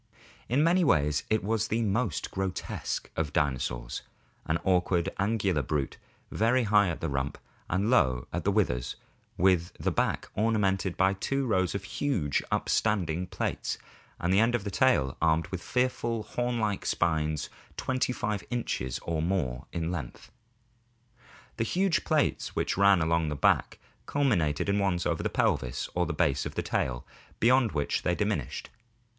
In many ways this was the most grotesque of dinosaurs, an awkward angular brute, very high at the rump and low at the withers, with the back ornamented by two rows of huge upstanding plates and the end of the tail armed with fearful horn like spines 25 inches or more in length. The huge plates which ran along the back culminated in the ones over the pelvis or the base of the tail, o the Yale University Museum. BEAKED DINOSAURS AND ORIGIN OF BIRDS 525 beyond which they diminished.